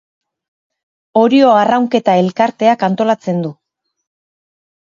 Orio Arraunketa Elkarteak antolatzen du.